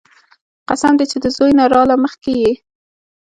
قسم دې چې د زوى نه راله مخکې يې.